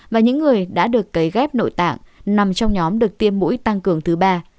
và những người đã được cấy ghép nội tạng nằm trong nhóm được tiêm mũi tăng cường thứ ba